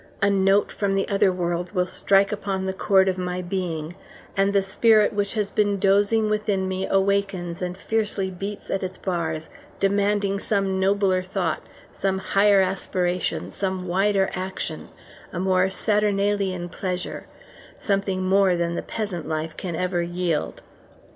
A note from the other world will strike upon the chord of my being, and the spirit which has been dozing within me awakens and fiercely beats at its bars, demanding some nobler thought, some higher aspiration, some wider action, a more saturnalian pleasure, something more than the peasant life can ever yield.